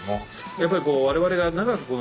やっぱり我々が長くこの。